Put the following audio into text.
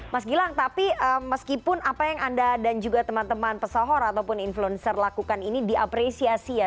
mas gilang tapi meskipun apa yang anda dan juga teman teman pesohor ataupun influencer lakukan ini diapresiasi ya